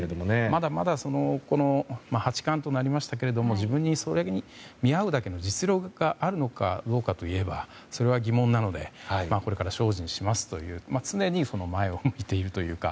まだまだ八冠となりましたが自分に見合うだけの実力があるのかどうかといえばそれは疑問なのでこれから精進しますという常に前を見ているというか。